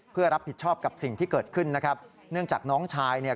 เพื่อรับผิดชอบกับสิ่งที่เกิดขึ้นนะครับเนื่องจากน้องชายเนี่ย